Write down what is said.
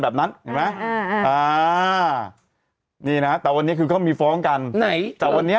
แบบนั้นเห็นไหมอ่าอ่านี่นะแต่วันนี้คือเขามีฟ้องกันไหนแต่วันนี้